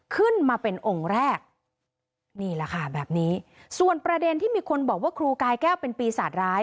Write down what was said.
ขึ้นมาเป็นองค์แรกนี่แหละค่ะแบบนี้ส่วนประเด็นที่มีคนบอกว่าครูกายแก้วเป็นปีศาจร้าย